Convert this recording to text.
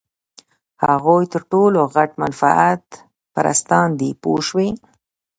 هغوی تر ټولو غټ منفعت پرستان دي پوه شوې!.